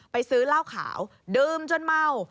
ซื้อเหล้าขาวดื่มจนเมา